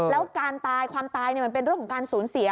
แล้วการตายความตายมันเป็นเรื่องของการสูญเสีย